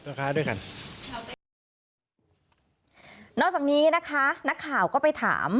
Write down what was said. นอกจากนี้นะคะนักข่าวก็ไปถาม